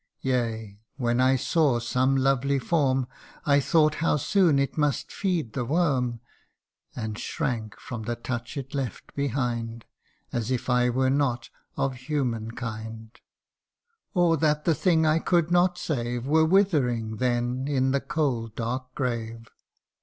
Yea ! when I saw some lovely form, I thought how soon it must feed the worm And shrank from the touch it left behind, As if I were not of human kind ; Or that the thing I could not save Were withering, then, in the cold dark grave.